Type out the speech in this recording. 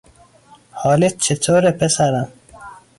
حالت چطوره، پسرم؟